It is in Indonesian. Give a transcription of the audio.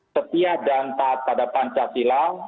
setia dan taat pada pancasila